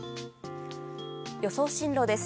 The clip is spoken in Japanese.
予想進路です。